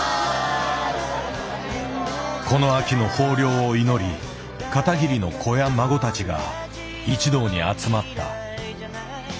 この秋の豊猟を祈り片桐の子や孫たちが一堂に集まった。